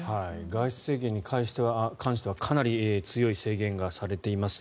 外出制限に関してはかなり強い制限がされています。